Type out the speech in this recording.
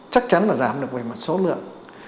chắc chắn là giảm được về mặt số lượng